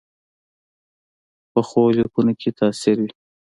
پخو لیکنو کې تاثیر وي